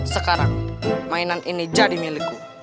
sekarang mainan ini jadi milikku